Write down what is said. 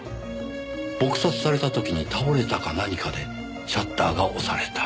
撲殺された時に倒れたか何かでシャッターが押された。